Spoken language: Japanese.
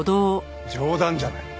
冗談じゃない。